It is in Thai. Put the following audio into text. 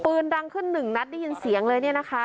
ปืนดังขึ้นหนึ่งนัดได้ยินเสียงเลยเนี่ยนะคะ